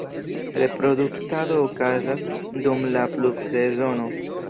Reproduktado okazas dum la pluvsezono.